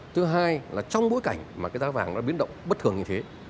thứ hai là trong bối cảnh mà cái giá vàng nó biến động bất thường như thế